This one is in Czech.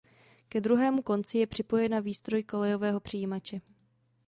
Ke druhému konci je připojena výstroj kolejového přijímače.